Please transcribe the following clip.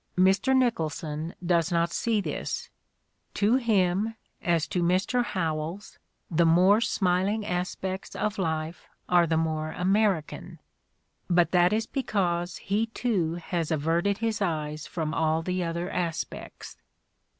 Mr. Nichol son does not see this; to him, as to Mr. Howells, "the more smiling aspects of life are the more American," but that is because he too has averted his eyes from all the other aspects.